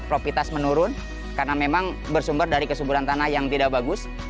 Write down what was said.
profitas menurun karena memang bersumber dari kesumburan tanah yang tidak bagus